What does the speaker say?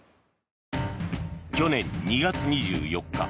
去年２月２４日